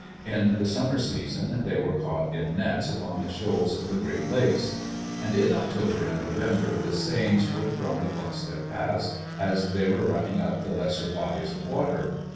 In the summer season they were caught in nets upon the shoals of the Great Lakes, and in October and November the seines were thrown across their path as they were running up the lesser bodies of water.